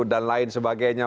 dan lain sebagainya